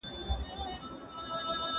هغه څوک چي واښه راوړي منظم وي.